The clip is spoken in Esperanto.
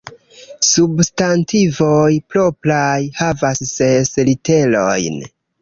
Substantivoj propraj havas ses literojn.